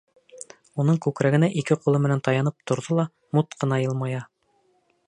Уның күкрәгенә ике ҡулы менән таянып торҙо ла, мут ҡына йылмая.